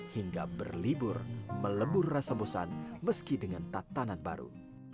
hingga berlibur melebur rasa bosan meski dengan tatanan baru